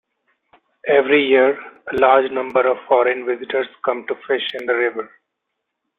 Every year, a large number of foreign visitors come to fish in the river.